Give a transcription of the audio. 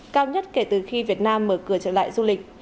cao nhất kể từ khi việt nam mở cửa trở lại du lịch